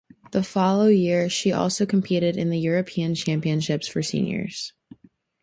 The follow year she also competed in the European Championships for seniors.